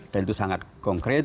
dan itu sangat konkret